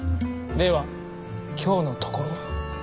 では今日のところは。